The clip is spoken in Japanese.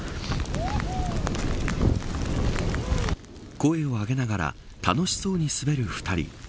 声を上げながら楽しそうに滑る２人。